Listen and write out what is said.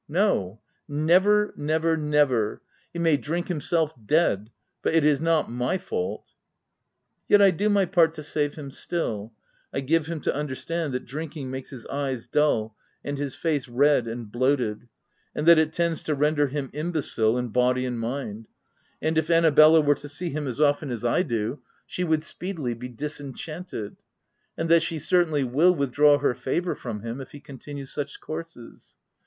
No, never, never, never !— he may drink himself dead, but it is not my fault ! Yet I do my part to save him still : I give him to understand that drinking makes his eyes dull, and his face red and bloated ; and that it tends to render him imbecile in body and mind ; and if Annabella were to see him as often as I OF WILDFELL HALL. 335 do, she would speedily be disenchanted ; and that she certainly will withdraw her favour from him, if he continues such courses.